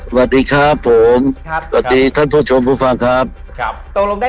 สวัสดีครับผมครับสวัสดีท่านผู้ชมผู้ฟังครับครับตกลงได้